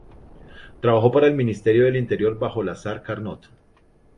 Trabajó para el Ministerio del Interior bajo Lazare Carnot.